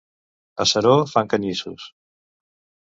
A Seró fan canyissos.